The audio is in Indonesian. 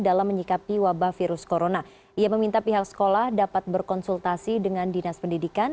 dalam menyikapi wabah virus corona ia meminta pihak sekolah dapat berkonsultasi dengan dinas pendidikan